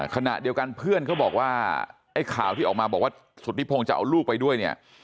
ขณะเดียวกันเพื่อนเขาบอกว่าไอ้ข่าวที่ออกมาบอกว่าสุธิพงศ์จะเอาลูกไปด้วยเนี่ย